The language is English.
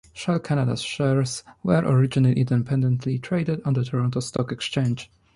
Shell Canada's shares were originally independently traded on the Toronto Stock Exchange.